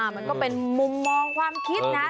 มันก็เป็นมุมมองความคิดนะ